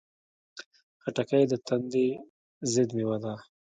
خټکی د تندې ضد مېوه ده.